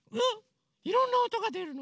いろんなおとがでるの？